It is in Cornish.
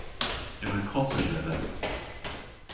Yma kota dhedha.